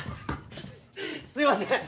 すいません